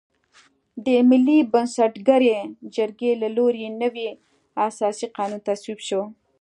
د ملي بنسټګرې جرګې له لوري نوی اساسي قانون تصویب شو.